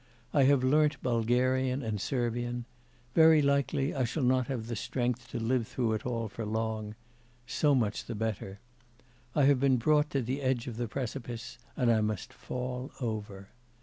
I have learnt Bulgarian and Servian. Very likely, I shall not have strength to live through it all for long so much the better. I have been brought to the edge of the precipice and I must fall over.